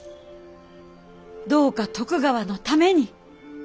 どうか徳川のために。